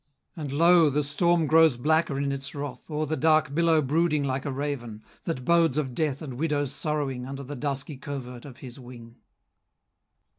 And lo! the storm grows blacker in its wrath, O'er the dark billow brooding like a raven, That bodes of death and widow's sorrowing, Under the dusky covert of his wing.